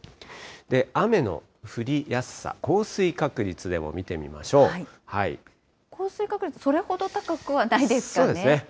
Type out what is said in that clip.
雨の降りやすさ、降水確率でも見降水確率、それほど高くはなそうですね。